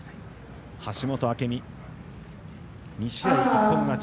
橋本朱未、２試合一本勝ち。